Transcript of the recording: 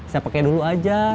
saya pake dulu aja